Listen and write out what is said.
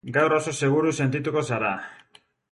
Gaur oso seguru sentituko zara.